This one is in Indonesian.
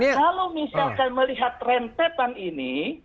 kalau misalkan melihat rentetan ini